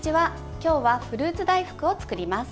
今日はフルーツ大福を作ります。